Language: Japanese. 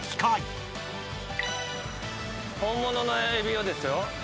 本物のエビをですよ。